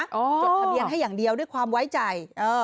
จดทะเบียนให้อย่างเดียวด้วยความไว้ใจ